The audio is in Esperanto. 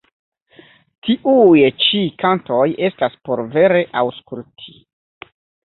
Tiuj ĉi kantoj estas por vere aŭskulti.